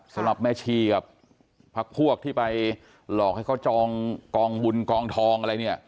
สำหรับแม่ชีกับพักพวกที่ไปหลอกให้เขาจองกองบุญกองทองอะไรเนี่ย